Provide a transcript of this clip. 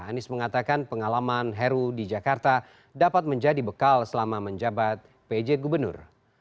anies mengatakan pengalaman heru di jakarta dapat menjadi bekal selama menjabat pj gubernur